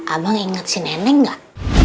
amang ingat si nenek enggak